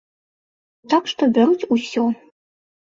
Так што бяруць усё.